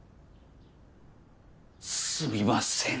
すみません。